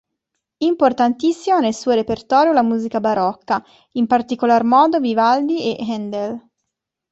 Importantissima nel suo repertorio la musica barocca, in particolar modo Vivaldi e Händel.